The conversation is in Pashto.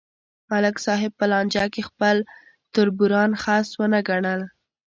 ملک صاحب په لانجه کې خپل تربوران خس ونه گڼل